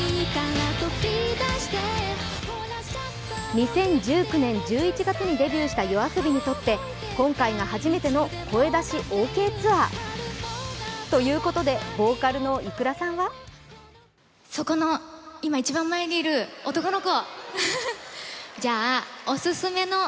２０１９年１１月にデビューしたＹＯＡＳＯＢＩにとって今回が初めての声出しオーケーツアー。ということで、ボーカルのｉｋｕｒａさんはファンの声を直接聞けて、ご満悦な様子。